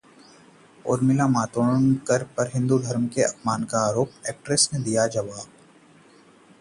उर्मिला मातोंडकर पर हिंदू धर्म के अपमान का आरोप, एक्ट्रेस ने दिया जवाब